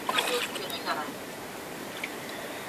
倪三最终也与追捕他的朝廷捕头同归于尽。